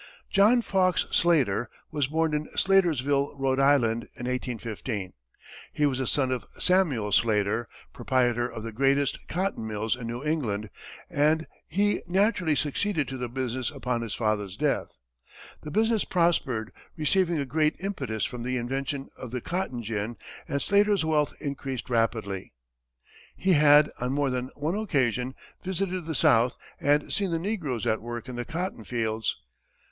John Fox Slater was born in Slatersville, Rhode Island, in 1815. He was the son of Samuel Slater, proprietor of the greatest cotton mills in New England, and he naturally succeeded to the business upon his father's death. The business prospered, receiving a great impetus from the invention of the cotton gin, and Slater's wealth increased rapidly. He had, on more than one occasion, visited the south and seen the negroes at work in the cotton fields.